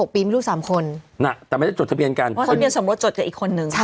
เพราะว่าทะเบียนสมรสจดกับอีกคนนึง